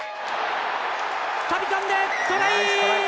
飛び込んで、トライ！